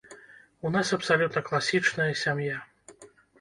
У нас абсалютна класічная сям'я.